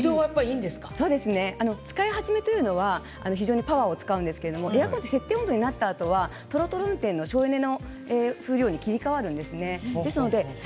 使い始めというのは非常にパワーを使うんですけどもエアコンは設定温度になったあとはとろとろ運転の省エネの風量に切り替わります。